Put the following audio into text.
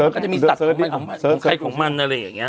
ก็จะมีสัตว์ของมันอะไรอย่างนี้